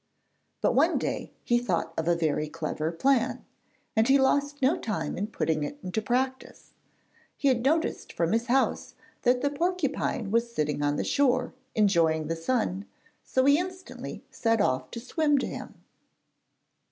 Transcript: But one day he thought of a very clever plan, and he lost no time in putting it into practice. He had noticed from his house that the porcupine was sitting on the shore, enjoying the sun, so he instantly set off to swim to him.